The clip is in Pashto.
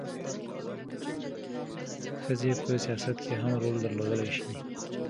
ښځې په سیاست کې هم رول درلودلی شي.